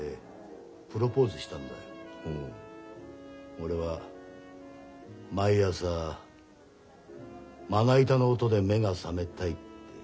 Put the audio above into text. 俺は毎朝まな板の音で目が覚めたいって。